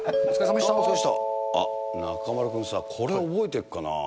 あっ、中丸君さ、これ覚えてるかな？